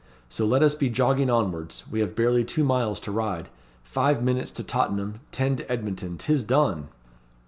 So let us be jogging onwards. We have barely two miles to ride. Five minutes to Tottenham; ten to Edmonton; 'tis done!"